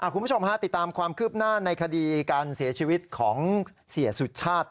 คุณผู้ชมฮะติดตามความคืบหน้าในคดีการเสียชีวิตของเสียสุชาติ